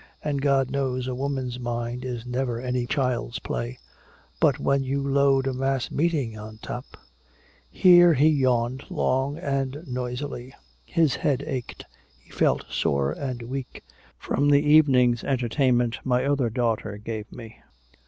And God knows a woman's mind is never any child's play. But when you load a mass meeting on top " Here he yawned long and noisily. His head ached, he felt sore and weak "from the evening's entertainment my other daughter gave me."